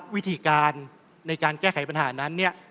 วิธีการในการแก้ไขปัญหานั้นเนี่ย